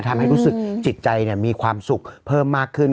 ทำให้รู้สึกจิตใจมีความสุขเพิ่มมากขึ้น